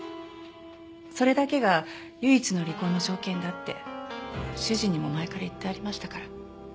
それだけが唯一の離婚の条件だって主人にも前から言ってありましたから。